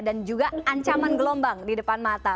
dan juga ancaman gelombang di depan mata